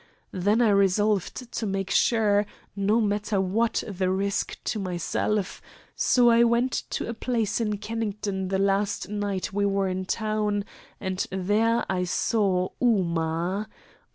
Then I resolved to make sure, no matter what the risk to myself, so I went to a place in Kennington the last night we were in town, and there I saw Ooma.